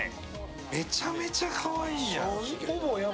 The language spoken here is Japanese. めちゃめちゃかわいいじゃん。